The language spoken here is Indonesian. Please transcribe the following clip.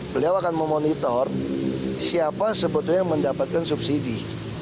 beliau akan memonitor siapa sebetulnya yang mendapatkan subsidi